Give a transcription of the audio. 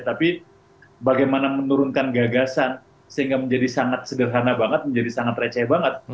tapi bagaimana menurunkan gagasan sehingga menjadi sangat sederhana banget menjadi sangat receh banget